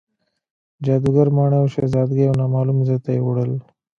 جادوګر ماڼۍ او شهزادګۍ یو نامعلوم ځای ته یووړل.